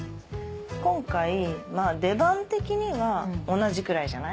今回まぁ出番的には同じくらいじゃない。